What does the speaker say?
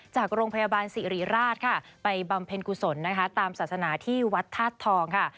จากโรงพยาบาลสิริราชค่ะไปบำเพ็ญกุศลนะคะตามศาสนาที่วัดธาตุทองค่ะ